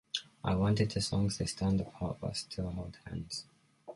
I wanted the songs to stand apart but still hold hands.